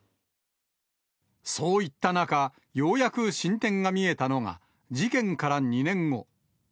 そういった中、ようやく進展が見えたのが、事件から２年後。